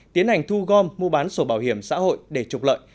tiến hành thu gom mua bán sổ bảo hiểm xã hội để trục lợi